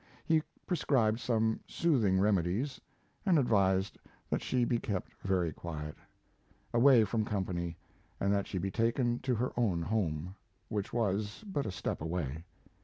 He prescribed some soothing remedies, and advised that she be kept very quiet, away from company, and that she be taken to her own home, which was but a step away.